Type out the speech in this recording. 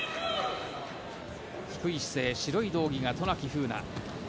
低い姿勢白い道着が渡名喜風南。